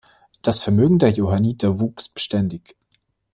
Das Vermögen der Johanniter wuchs beständig.